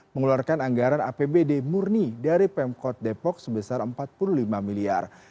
mengeluarkan anggaran apbd murni dari pemkot depok sebesar empat puluh lima miliar